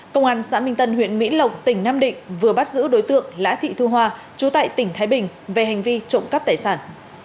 công an xã minh tân huyện mỹ lộc tỉnh nam định vừa bắt giữ đối tượng lã thị thu hoa chú tại tỉnh thái bình về hành vi trộm cắp tài sản